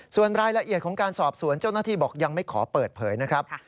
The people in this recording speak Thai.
ส่วนรายละเอียดของการสอบสวนเจ้าหน้าที่บอกยังไม่ขอเปิดเผยนะครับ